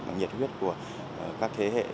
và nhiệt huyết của các thế hệ